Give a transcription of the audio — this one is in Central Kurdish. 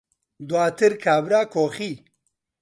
دواتر کابرا کۆخی